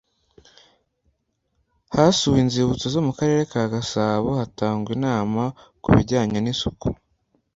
hasuwe inzibutso zo mu karere ka gasabo hatangwa inama ku bijyanye n isuku